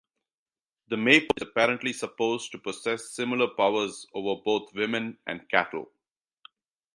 The maypole is apparently supposed to possess similar powers over both women and cattle.